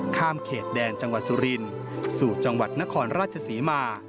ข้ามเขตแดนจังหวัดสุรินสู่จังหวัดนครราชศรีมา